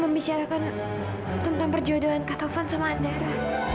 membicarakan tentang perjodohan kak taufan sama andara